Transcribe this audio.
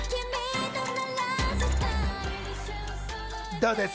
どうです？